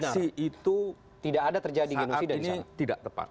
diksi itu saat ini tidak tepat